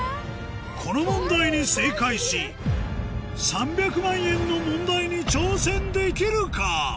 この問題に正解し３００万円の問題に挑戦できるか？